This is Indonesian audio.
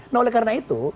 nah oleh karena itu